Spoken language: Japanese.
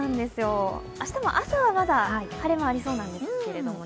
明日も朝はまだ晴れ間がありそうなんですけどね。